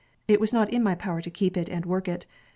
It was not in my power to keep it and work it.